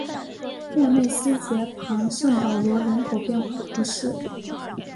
莫内斯捷旁圣保罗人口变化图示